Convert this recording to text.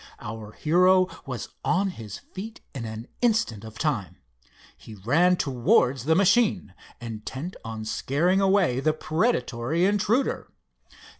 Our hero was on his feet in an instant of time. He ran towards the machine, intent on scaring away the predatory intruder.